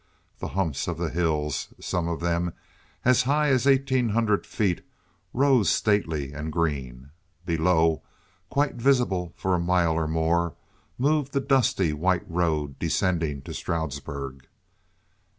The humps of the hills—some of them as high as eighteen hundred feet—rose stately and green. Below, quite visible for a mile or more, moved the dusty, white road descending to Stroudsburg.